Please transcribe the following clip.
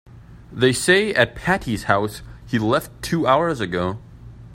They say at Patti's house he left two hours ago.